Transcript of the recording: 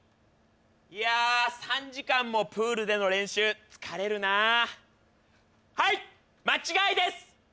いやあ３時間もプールでの練習疲れるなはい間違いです